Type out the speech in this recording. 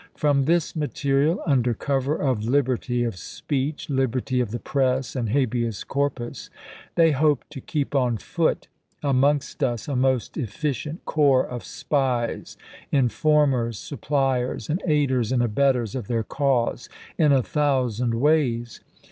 From this material, under cover of " liberty of speech," "liberty of the press," and " habeas corpus," they hoped to keep on foot amongst us a most efficient corps of spies, informers, sup pliers, and aiders and abettors of their cause in a thou sand ways.